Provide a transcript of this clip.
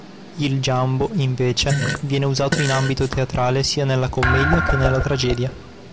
Il giambo invece viene usato in ambito teatrale sia nella commedia che nella tragedia.